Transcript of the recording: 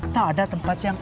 tak ada tempat yang